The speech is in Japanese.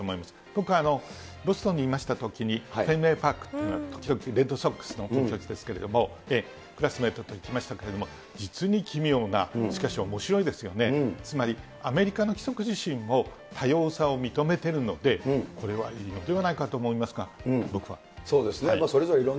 僕はボストンにいましたときに、フェンウェイパークという時々レッドソックスの本拠地ですけれども、クラスメートの子たちとききましたけれども、実に奇妙なしかしおもしろいですよね、つまりアメリカの規則自身も多様さを認めているので、これはいいのではないかと思いますが、僕は。